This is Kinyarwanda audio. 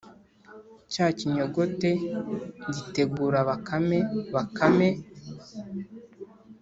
cya kinyogote gitegura bakame. bakame